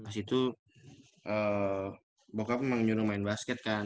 mas itu bokap emang nyuruh main basket kan